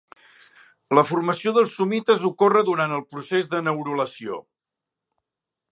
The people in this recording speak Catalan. La formació dels somites ocorre durant el procés de neurulació.